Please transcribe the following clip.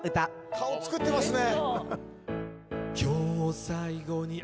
顔作ってますね